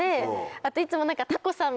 あといつも。